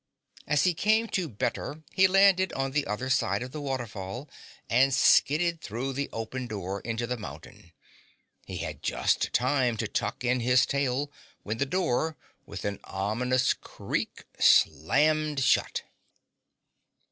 As he came to 'better,' he landed on the other side of the waterfall and skidded through the open door into the mountain. He had just time to tuck in his tail, when the door with an ominous creak slammed shut.